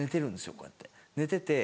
こうやって寝てて。